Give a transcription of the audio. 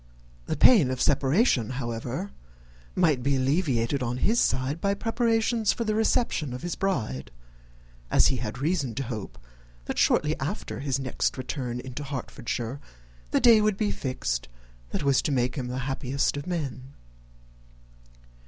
The pain of separation, however, might be alleviated on his side by preparations for the reception of his bride, as he had reason to hope, that shortly after his next return into Hertfordshire, the day would be fixed that was to make him the happiest of men.